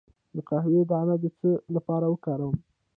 د قهوې دانه د څه لپاره وکاروم؟